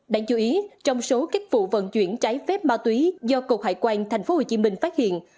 đáng chú ý trong số các vụ vận chuyển trái phép ma túy do cục hải quan tp hcm phát hiện